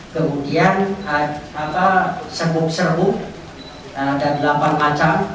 kemudian serbuk serbu ada delapan macam